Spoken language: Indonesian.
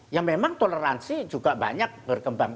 ya memang toleransi juga banyak berkembang